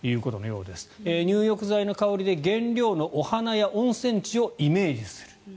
入浴剤の香りで原料の花や温泉地をイメージする。